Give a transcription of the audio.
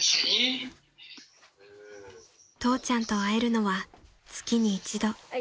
［父ちゃんと会えるのは月に一度］